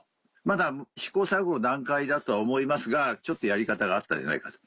まだ試行錯誤の段階だとは思いますがちょっとやり方があったんじゃないかと。